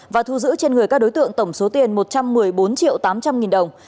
và thu giữ trên người các đối tượng tổng số tiền một trăm một mươi bốn triệu tám trăm linh nghìn đồng